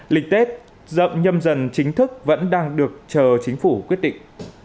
lịch tết rộng nhâm dần chính thức vẫn đang được chờ chính phủ quyết định